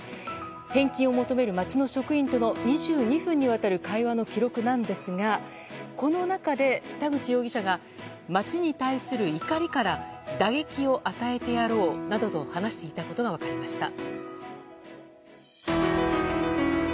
返金を求める町の職員との２２分にわたる会話の記録なんですがこの中で田口容疑者が町に対する怒りから打撃を与えてやろうなどと話していたことが分かりました。